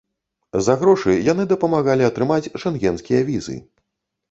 За грошы яны дапамагалі атрымаць шэнгенскія візы.